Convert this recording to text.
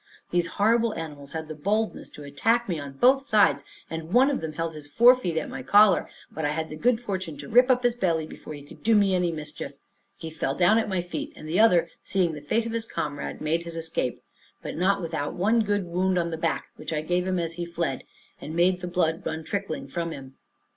These horrible animals had the boldness to attack me on both sides, and one of them held his forefeet at my collar; but I had the good fortune to rip up his belly before he could do me any mischief. He fell down at my feet; and the other, seeing the fate of his comrade, made his escape, but not without one good wound on the back, which I gave him as he fled, and made the blood run trickling from him.